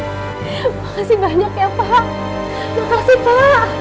makasih banyak ya pak makasih pak